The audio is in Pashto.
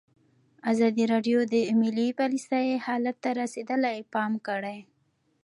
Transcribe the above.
ازادي راډیو د مالي پالیسي حالت ته رسېدلي پام کړی.